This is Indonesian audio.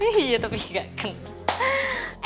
iya tapi gak kena